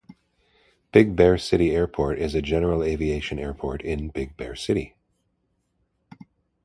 Big Bear City Airport is a general aviation airport in Big Bear City.